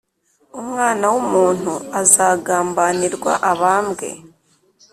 Umwana w’umuntu azagambanirwa abambwe.